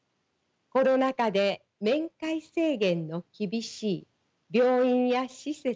コロナ禍で面会制限の厳しい病院や施設。